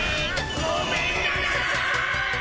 ごめんなさい！